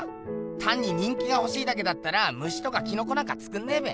たんに人気がほしいだけだったら虫とかキノコなんかつくんねえべ。